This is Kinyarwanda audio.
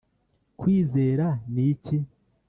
kwizera niki